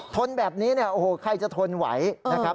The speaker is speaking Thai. ทนแบบนี้เนี่ยโอ้โหใครจะทนไหวนะครับ